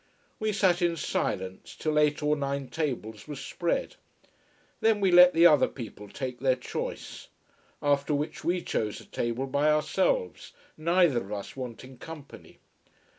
We sat in silence, till eight or nine tables were spread. Then we let the other people take their choice. After which we chose a table by ourselves, neither of us wanting company.